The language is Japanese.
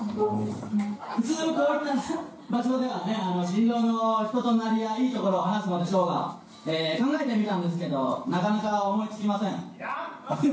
普通、こういった場所ではね新郎の人となりやいいところを話すのでしょうが考えてみたんですけどなかなか思いつきません。